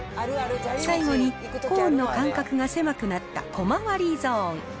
最後に、コーンの間隔が狭くなった小回りゾーン。